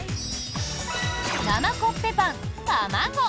生コッペパンたまご。